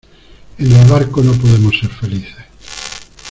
en el barco no podemos ser felices